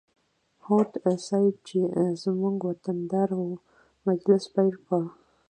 هوډ صیب چې زموږ وطن دار و مجلس پیل کړ.